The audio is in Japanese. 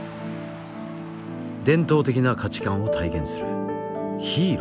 伝統的な価値観を体現するヒーローだという。